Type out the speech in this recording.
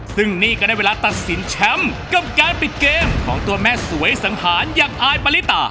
ซึ่งนี่ก็ได้เวลาตัดสินแชมป์กับการปิดเกมของตัวแม่สวยสังหารอย่างอายปริตา